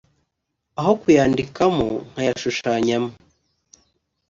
aho kuyandikamo nkayashushanyamo